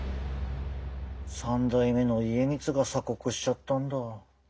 三代目の家光が鎖国しちゃったんだ。